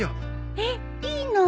えっいいの！？